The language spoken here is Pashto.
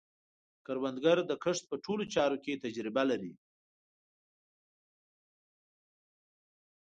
کروندګر د کښت په ټولو چارو کې تجربه لري